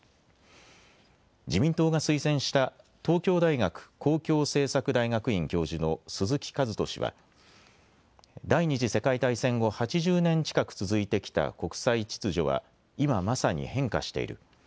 自民党が推薦した東京大学公共政策大学院教授の鈴木一人氏は第２次世界大戦後、８０年近く続いてきた国際秩序は今まさに変化している。